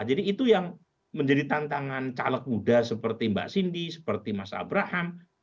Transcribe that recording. jadi itu yang menjadi tantangan caleg muda seperti mbak cindy seperti mas abraham